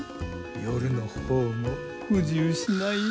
夜の方も不自由しないよ。